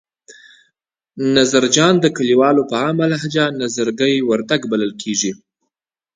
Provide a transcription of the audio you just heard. نظرخان د کلیوالو په عامه لهجه نظرګي ورورک بلل کېږي.